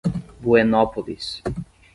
Buenópolis